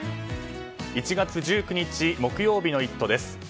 １月１９日木曜日の「イット！」です。